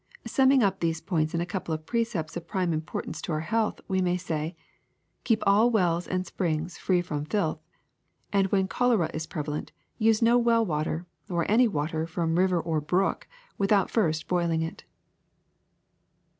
^^ Summing up these points in a couple of precepts of prime importance to our health, we may say: Keep all wells and springs free from filth, and when cholera is prevalent use no well water or any water from river or brook without first boiling it."